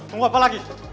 tunggu apa lagi